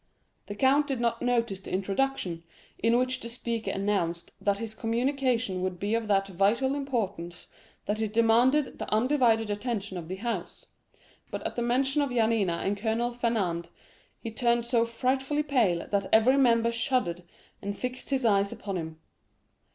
The count did not notice the introduction, in which the speaker announced that his communication would be of that vital importance that it demanded the undivided attention of the House; but at the mention of Yanina and Colonel Fernand, he turned so frightfully pale that every member shuddered and fixed his eyes upon him.